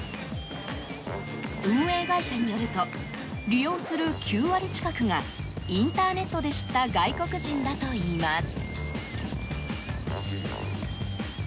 運営会社によると利用する９割近くがインターネットで知った外国人だといいます。